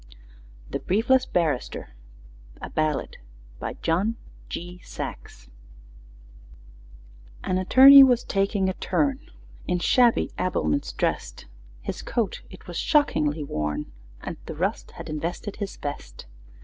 THE BRIEFLESS BARRISTER A Ballad BY JOHN G. SAXE An attorney was taking a turn, In shabby habiliments drest; His coat it was shockingly worn, And the rust had invested his vest.